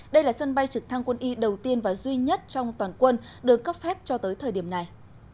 đây là sân bay trực thăng quân y đầu tiên và duy nhất trong toàn quân được cấp phép cho tới thời điểm này